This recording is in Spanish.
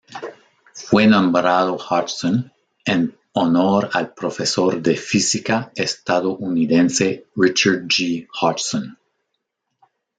Fue nombrado Hodgson en honor al profesor de física estadounidense Richard G. Hodgson.